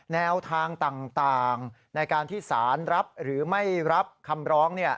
แนวทางต่างในการที่สารรับหรือไม่รับคำร้อง